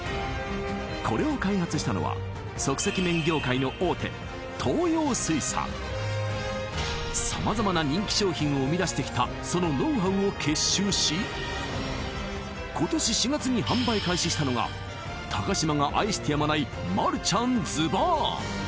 これを開発したのは様々な人気商品を生み出してきたそのノウハウを結集し今年４月に販売開始したのが嶋が愛してやまないマルちゃんＺＵＢＡＡＡＮ！